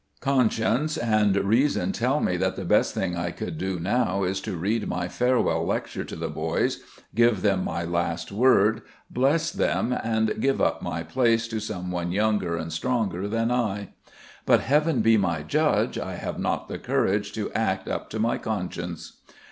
Conscience and reason tell me that the best thing I could do now is to read my farewell lecture to the boys, give them my last word, bless them and give up my place to someone younger and stronger than I. But, heaven be my judge, I have not the courage to act up to my conscience.